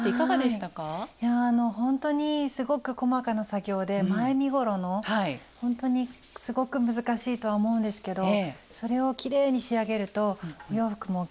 いやほんとにすごく細かな作業で前身ごろのほんとにすごく難しいとは思うんですけどそれをきれいに仕上げるとお洋服もきっちり着れる感じがしました。